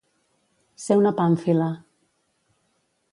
Ser una pàmfila.